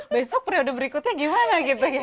besok periode berikutnya gimana gitu